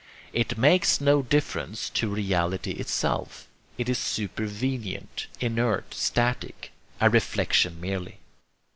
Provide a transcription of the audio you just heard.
It makes no difference to reality itself; it is supervenient, inert, static, a reflexion merely.